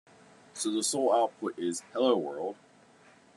So the sole output is "Hello, world!".